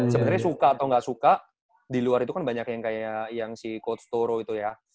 sebenernya suka atau gak suka di luar itu kan banyak yang kayak si coach toro itu ya